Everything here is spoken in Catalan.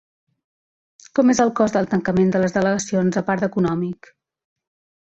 Com és el cost del tancament de les delegacions a part d'econòmic?